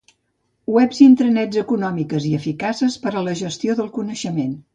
Webs i intranets econòmiques i eficaces per a la gestió del coneixement.